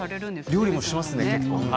料理もします。